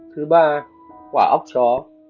thứ ba quả ốc chó